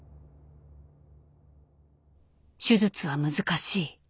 「手術は難しい」。